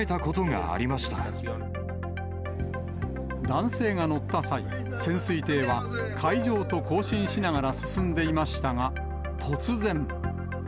男性が乗った際、潜水艇は海上と交信しながら進んでいましたが、突然。